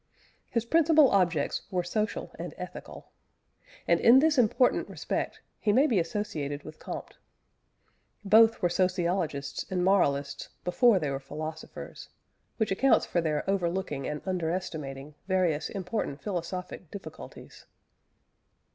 His principal objects were social and ethical. And in this important respect he may be associated with Comte. Both were sociologists and moralists before they were philosophers, which accounts for their overlooking and underestimating various important philosophic difficulties.